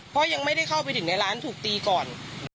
เพราะยังไม่ได้เข้าไปถึงในร้านถูกตีก่อน